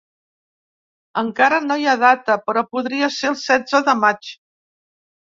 Encara no hi ha data, però podria ser el setze de maig.